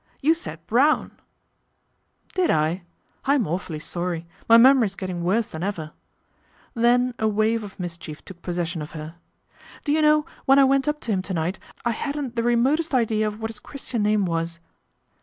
" You said Brown "" Did I ? I'm awfully sorry. My memory's getting worse than ever/' Then a wave of mis chief took possession of her. " Do you know when I went up to him to night I hadn't the remotest idea of what his Christian name was."